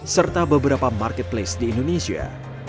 serta beberapa marketplace di indonesia